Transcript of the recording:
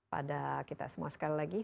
pada kita semua sekali lagi